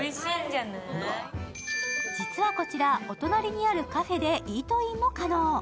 実はこちら、お隣にあるカフェでイートインも可能。